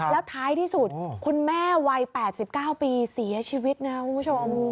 แล้วท้ายที่สุดคุณแม่วัย๘๙ปีเสียชีวิตนะครับคุณผู้ชม